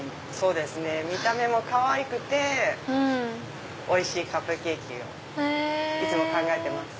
見た目もかわいくておいしいカップケーキをいつも考えてます。